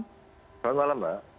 selamat malam mbak